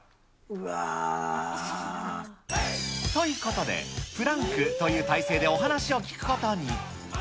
うわぁ。ということで、プランクという体勢でお話を聞くことに。